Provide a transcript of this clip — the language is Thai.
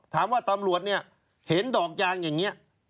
ตำรวจเนี่ยเห็นดอกยางอย่างนี้